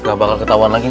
gak bakal ketauan lagi